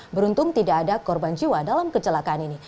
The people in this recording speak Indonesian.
beruntung tidak ada korban jiwa dalam kecelakaan ini